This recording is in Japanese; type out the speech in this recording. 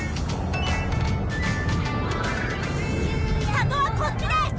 里はこっちです！